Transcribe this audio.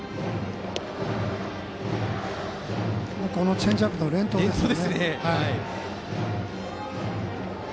チェンジアップ連投ですね。